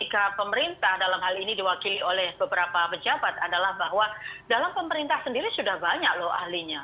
sikap pemerintah dalam hal ini diwakili oleh beberapa pejabat adalah bahwa dalam pemerintah sendiri sudah banyak loh ahlinya